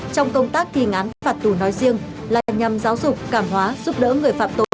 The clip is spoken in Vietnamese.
trong công tác thi án phạt tù nói riêng là nhằm giáo dục cảm hóa giúp đỡ người phạm tội